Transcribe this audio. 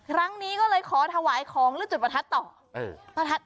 ครั้งนี้ก็เลยขอถวายของแล้วจุดประทัดต่อประทัด